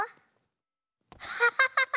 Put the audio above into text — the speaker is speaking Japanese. ハハハハハ！